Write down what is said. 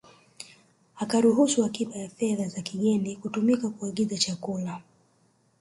Akaruhusu akiba ya fedha za kigeni kutumika kuagiza chakula